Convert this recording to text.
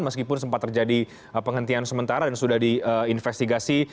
meskipun sempat terjadi penghentian sementara dan sudah diinvestigasi